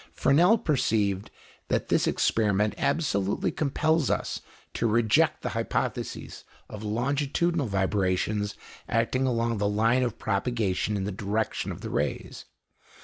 Fresnel perceived that this experiment absolutely compels us to reject the hypothesis of longitudinal vibrations acting along the line of propagation in the direction of the rays.